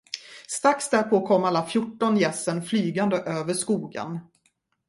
Strax därpå kom alla fjorton gässen flygande över skogen.